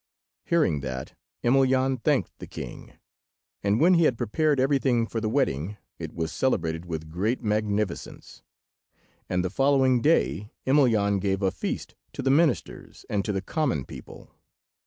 Hearing that, Emelyan thanked the king, and when he had prepared everything for the wedding, it was celebrated with great magnificence, and the following day Emelyan gave a feast to the ministers and to the common people.